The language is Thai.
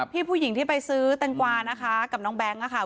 ผู้หญิงที่ไปซื้อแตงกวานะคะกับน้องแบงค์ค่ะ